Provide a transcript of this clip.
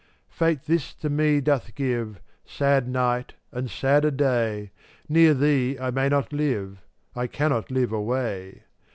446 Fate this to me doth give: Sad night and sadder day; Near thee I may not live — I cannot live away.